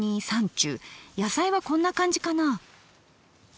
野菜はこんな感じかなぁ。